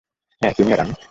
হ্যাঁ, তুমি আর আমি?